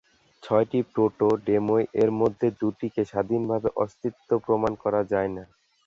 ছয়টি প্রোটো-ডেমোই এর মধ্যে দুটিকে স্বাধীনভাবে অস্তিত্ব প্রমাণ করা যায় না।